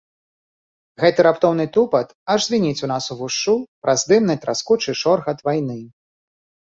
Гэты раптоўны тупат аж звініць у нас увушшу праз дымны траскучы шоргат вайны.